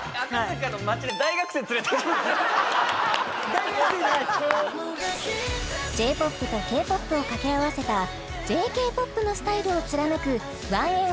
大学生じゃないですＪ−ＰＯＰとＫ−ＰＯＰを掛け合わせたＪＫ−ＰＯＰのスタイルを貫くＯＮＥＮ